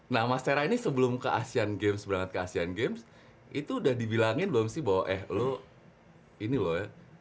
nah mas tera ini sebelum ke asean games berangkat ke asean games itu udah dibilangin belum sih bahwa eh lu ini loh ya